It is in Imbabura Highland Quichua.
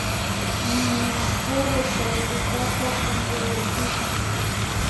Ninakuru kay tutata punchayachikun